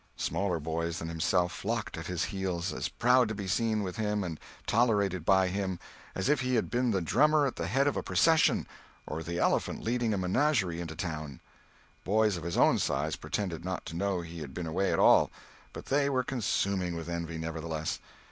Smaller boys than himself flocked at his heels, as proud to be seen with him, and tolerated by him, as if he had been the drummer at the head of a procession or the elephant leading a menagerie into town. Boys of his own size pretended not to know he had been away at all; but they were consuming with envy, nevertheless.